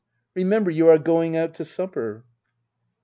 Remember you are going out to supper.